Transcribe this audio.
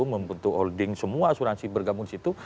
membentuk holding semua asuransi bergabung di situ